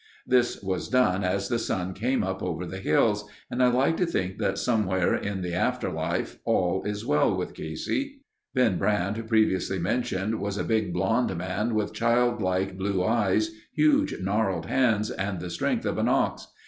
This was done as the sun came over the hills and I like to think that somewhere in the after life, all is well with Casey. Ben Brandt, previously mentioned, was a big blond man with child like blue eyes, huge gnarled hands and the strength of an ox.